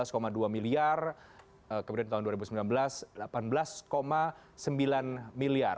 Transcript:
kemudian tahun dua ribu sembilan belas delapan belas sembilan miliar